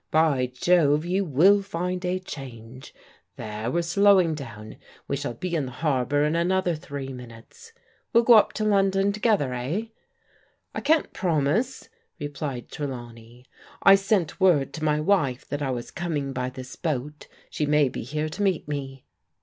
By Jove, you will find a change. There, we're slowing down. We shall be in the harbour in another three minutes, We'll go up to London together, eh?'* " I can't promise," replied Trelawney. " I sent word to my wife that I was coming by this boat. She may be here to meet me."